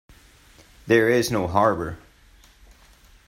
There is no harbour.